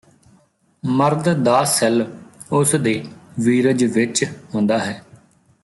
ਮਰਦ ਦਾ ਸੈੱਲ ਉਸਦੇ ਵੀਰਜ ਵਿਚ ਹੁੰਦਾ ਹੈ